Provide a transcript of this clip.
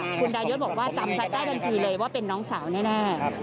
คุณดายศบอกว่าจำพลัดได้ทันทีเลยว่าเป็นน้องสาวแน่